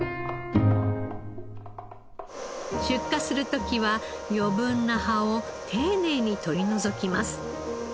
出荷する時は余分な葉を丁寧に取り除きます。